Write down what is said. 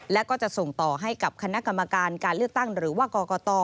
และก็จะส่งต่อให้กับคณะกรรมการการเลือกตั้งหรือว่ากรกต